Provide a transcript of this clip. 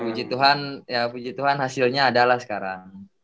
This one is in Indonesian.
puji tuhan ya puji tuhan hasilnya ada lah sekarang